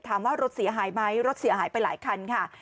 รถเสียหายไหมรถเสียหายไปหลายคันค่ะ